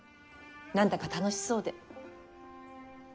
何だか楽しそうで。